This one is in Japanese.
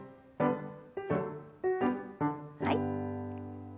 はい。